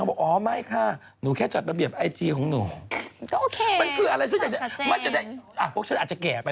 บอกให้รถแม่ใส่ชุดไทยอย่างนี้